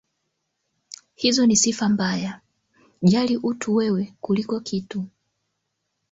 Hizo ni sifa mbaya, jali utu wewe kuliko kitu.